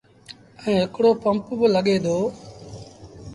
ائيٚݩ هڪڙو پمپ با لڳي دو۔